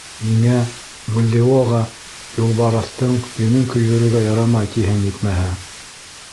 Миңә, Бульдеоға, юлбарыҫтың йөнөн көйҙөрөргә ярамай, тиһең, етмәһә.